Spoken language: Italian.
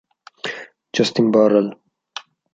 Justin Burrell